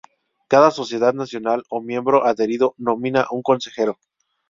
Cada sociedad nacional o miembro adherido nomina un consejero.